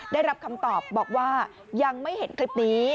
ได้รับคำตอบบอกว่ายังไม่เห็นคลิปนี้